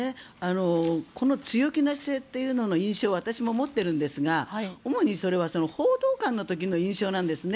強気な姿勢という印象を私も持っているんですが主にそれは報道官の時の印象なんですね。